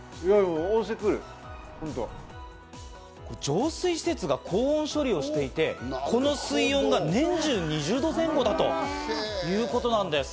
浄水施設が高温処理をしていて、この水温が年中２０度前後だということなんです。